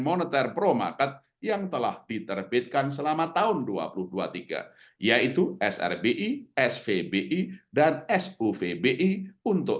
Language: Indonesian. moneter pro market yang telah diterbitkan selama tahun dua ribu dua puluh tiga yaitu srbi svbi dan suvbi untuk